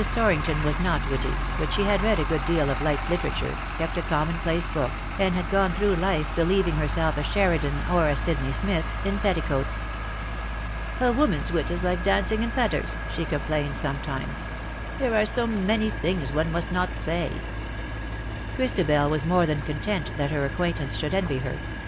Tor rington was not witty, but she had read a good deal of light literature, kept a common place book, and had gone through life believing herself a Sheridan or a Sidney Smith, in petticoats. ^' A woman^s wit is like dancing in fetters/^ she complained sometimes :" there are so many things one must not say V Christabel was more than content that her acquaintance should envy her.